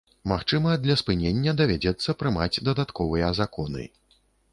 Магчыма, для спынення давядзецца прымаць дадатковыя законы.